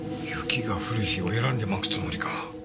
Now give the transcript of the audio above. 雪が降る日を選んでまくつもりか。